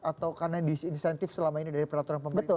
atau karena disinsentif selama ini dari peraturan pemerintah